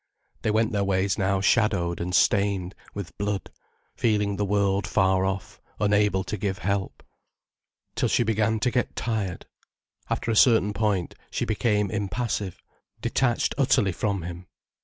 They went their ways now shadowed and stained with blood, feeling the world far off, unable to give help. Till she began to get tired. After a certain point, she became impassive, detached utterly from him.